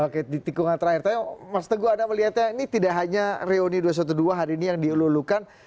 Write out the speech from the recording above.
oke di tikungan terakhir tapi mas teguh anda melihatnya ini tidak hanya reuni dua ratus dua belas hari ini yang dielulukan